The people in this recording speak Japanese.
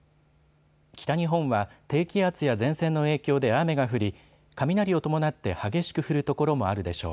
北日本は低気圧や前線の影響で雨が降り雷を伴って激しく降る所もあるでしょう。